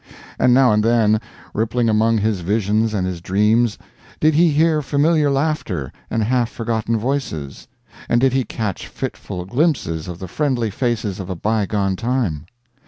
And now and then, rippling among his visions and his dreams, did he hear familiar laughter and half forgotten voices, and did he catch fitful glimpses of the friendly faces of a bygone time?